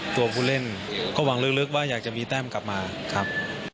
ตัวผู้เล่นก็หวังลึกว่าอยากจะมีแต้มกลับมาครับ